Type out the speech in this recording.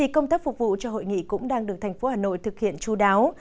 công tác phục vụ cho hội nghị cũng đang được thành phố hà nội thực hiện chú đáo